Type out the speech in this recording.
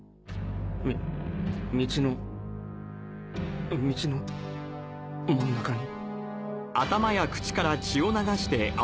み道の道の真ん中に。